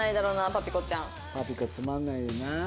パピコつまんないよな。